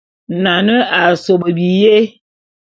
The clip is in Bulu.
Nane a sob biyé.